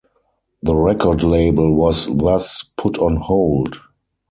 The record label was thus put on hold.